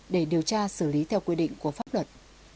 để điều tra xử lý theo quy định của pháp luật